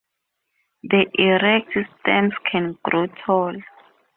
The erect stems can grow tall.